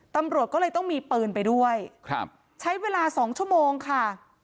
ตำรวจก็เลยต้องมีปืนไปด้วยครับใช้เวลาสองชั่วโมงค่ะ